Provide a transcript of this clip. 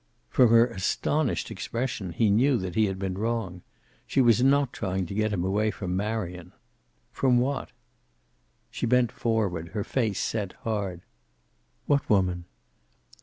From her astonished expression, he knew that he had been wrong. She was not trying to get him away from Marion. From what? She bent forward, her face set hard. "What woman?"